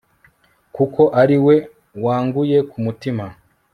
kuko ari we wanguye ku mutima